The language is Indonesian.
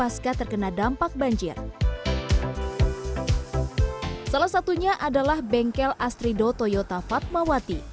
salah satunya adalah bengkel astrido toyota fatmawati